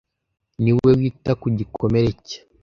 Niwe wita ku gikomere cye.